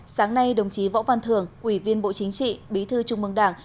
sáng nay đồng chí võ văn thưởng quỷ viên bộ chính trị bí thư trung mương đảng